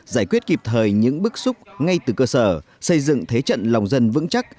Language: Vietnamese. giải quyết kịp thời những bức xúc ngay từ cơ sở xây dựng thế trận lòng dân vững chắc